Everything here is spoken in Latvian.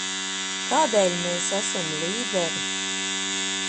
Kādēļ mēs esam līderi?